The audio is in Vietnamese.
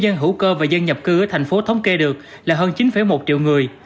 ngu cơ và dân nhập cư ở thành phố thống kê được là hơn chín một triệu người